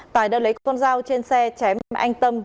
tài đã lấy con dao trên xe chém anh tâm